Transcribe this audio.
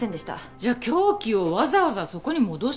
じゃあ凶器をわざわざそこに戻したって事？